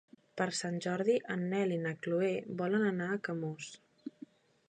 Per Sant Jordi en Nel i na Chloé volen anar a Camós.